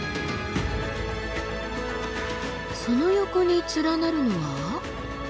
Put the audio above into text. その横に連なるのは？